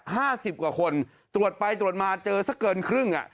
ห้าสิบกว่าคนตรวจไปตรวจมาเจอสักเกินครึ่งอ่ะ